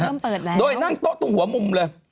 เริ่มเปิดแล้วโดยนั่งโต๊ะตรงหัวมุมเลย